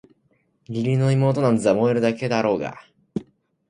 義理の妹なんざ萌えるだけだろうがあ！